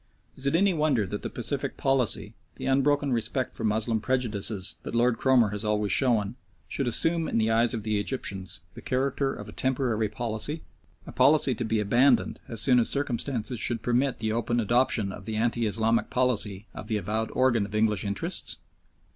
Is it any wonder that the pacific policy, the unbroken respect for Moslem prejudices that Lord Cromer has always shown, should assume in the eyes of the Egyptians the character of a temporary policy a policy to be abandoned as soon as circumstances should permit the open adoption of the anti Islamic policy of the avowed organ of English interests?